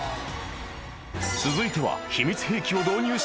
［続いては］